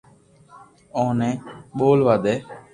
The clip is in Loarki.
اوني ٻولوا دي